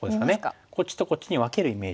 こっちとこっちに分けるイメージですよね。